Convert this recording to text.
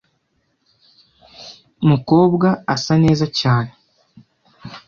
mukobwa asa neza cyane.